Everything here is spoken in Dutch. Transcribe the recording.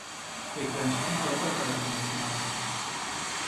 Ik wens enkele opmerkingen te maken.